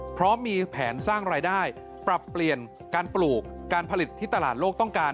เพราะมีแผนสร้างรายได้ปรับเปลี่ยนการปลูกการผลิตที่ตลาดโลกต้องการ